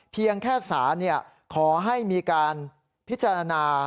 เพียงแค่สารขอให้มีการพิจารณา